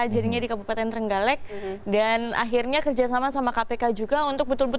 menanamkan moral moral pada anak anak dan juga keluarga kecil kalau itu itu terlihat